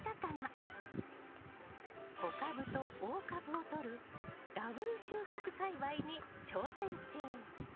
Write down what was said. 小株と大株をとるダブル収穫栽培に挑戦中！